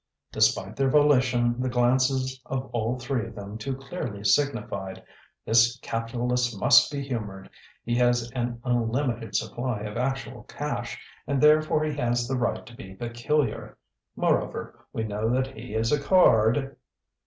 Despite their volition, the glances of all three of them too clearly signified: "This capitalist must be humoured. He has an unlimited supply of actual cash, and therefore he has the right to be peculiar. Moreover, we know that he is a card...."